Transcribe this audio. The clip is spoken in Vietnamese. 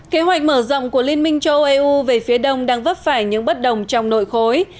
kế hoạch mở rộng của liên minh châu âu eu về phía đông đang vấp phải những bất đồng trong nội khối